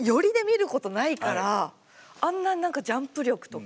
あんなに何かジャンプ力とか。